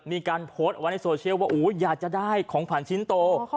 มีการโพสต์ไว้ในโซเชียลว่าอยากจะได้ของขวัญชิ้นโต